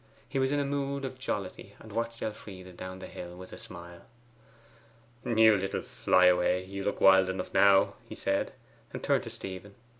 He was in a mood of jollity, and watched Elfride down the hill with a smile. 'You little flyaway! you look wild enough now,' he said, and turned to Stephen.